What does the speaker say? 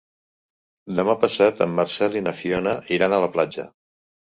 Demà passat en Marcel i na Fiona iran a la platja.